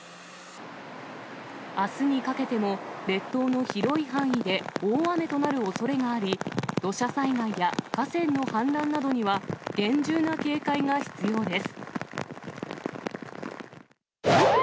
あすにかけても、列島の広い範囲で大雨となるおそれがあり、土砂災害や河川の氾濫などには、厳重な警戒が必要です。